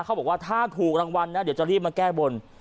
เขาบอกว่าถ้าถูกรางวัลนะเดี๋ยวจะรีบมาแก้บน